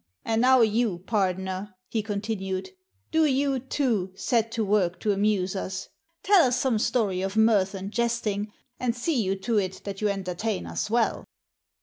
"And now, you pardoner," he con tinued, " do you, too, set to work to amuse us. Tell us some story of mirth and jesting, and see you to it that you entertain us well."